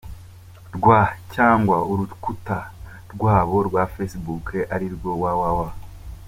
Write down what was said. rw cyangwa urukuta rwabo rwa Facebook arirwo www.